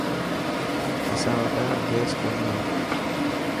اسان وٽان گيس ڪوني هي.